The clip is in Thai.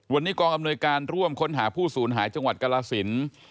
วันนี้กองอำนวยการร่วมค้นหาผู้สูญหายจังหวัดกรสิน